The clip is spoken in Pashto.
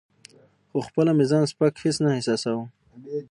خو خپله مې ځان سپک هیڅ نه احساساوه.